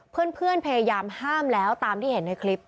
เพื่อนพยายามห้ามแล้วตามที่เห็นในคลิป